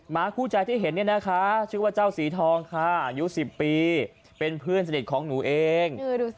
คู่ใจที่เห็นเนี่ยนะคะชื่อว่าเจ้าสีทองค่ะอายุ๑๐ปีเป็นเพื่อนสนิทของหนูเอง